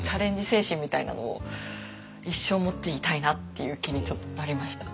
精神みたいなのを一生持っていたいなっていう気にちょっとなりました。